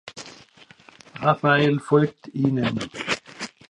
Rafael folgt ihnen.